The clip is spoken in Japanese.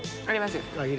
ありますよ。